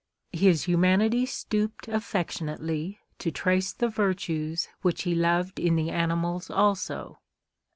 His humanity stooped affectionately to trace the virtues which he loved in the animals also.